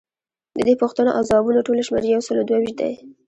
ددې پوښتنو او ځوابونو ټول شمیر یوسلو دوه ویشت دی.